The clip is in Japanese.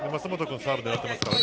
サーブを狙っていますからね